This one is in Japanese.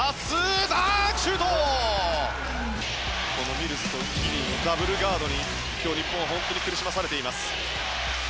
ミルズとギディーのダブルガードに今日、日本は本当に苦しまされています。